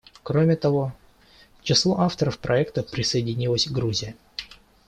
Кроме того, к числу авторов проекта присоединилась Грузия.